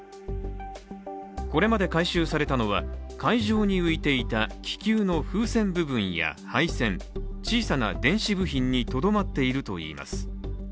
これまで回収されたのは海上に浮いていた気球の風船部分や配線小さな電子部品にとどまっているといいます。